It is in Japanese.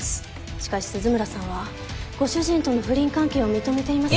しかし鈴村さんはご主人との不倫関係を認めていますが。